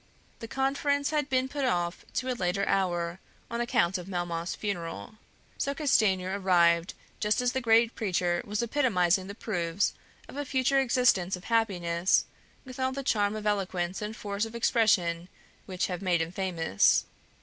The conference had been put off to a later hour on account of Melmoth's funeral, so Castanier arrived just as the great preacher was epitomizing the proofs of a future existence of happiness with all the charm of eloquence and force of expression which have made him famous.